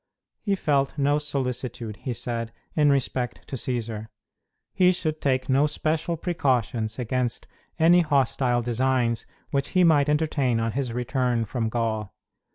He felt no solicitude, he said, in respect to Cćsar. He should take no special precautions against any hostile designs which he might entertain on his return from Gaul.